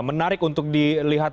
menarik untuk dilihat